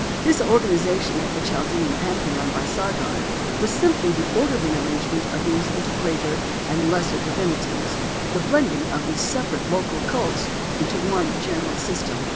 This organization of the Chaldean Pantheon by Sargon was simply the orderly arrangement of these into greater and lesser divinities, the blending of these separate local cults into one general system.